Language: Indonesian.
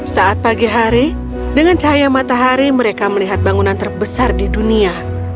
saat pagi hari dengan cahaya matahari mereka melihat bangunan terbesar di dunia